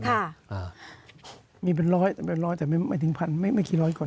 อ่ามีเป็นร้อยแต่เป็นร้อยแต่ไม่ไม่ถึงพันไม่ไม่กี่ร้อยคน